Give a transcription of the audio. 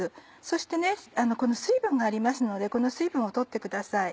そして水分がありますのでこの水分を取ってください。